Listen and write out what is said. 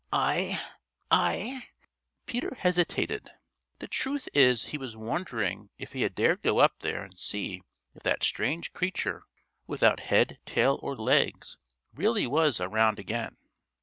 I I " Peter hesitated. The truth is he was wondering if he dared go up there and see if that strange creature without head, tail, or legs really was around again.